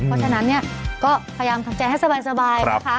เพราะฉะนั้นเนี่ยก็พยายามทำใจให้สบายนะคะ